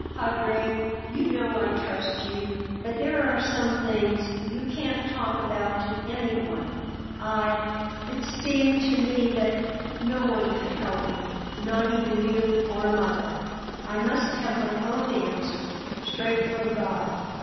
"Padre, you know I trust you! But there are some things you can't talk about to anyone. I it seemed to me that no one could help me not even you or mother; I must have my own answer straight from God.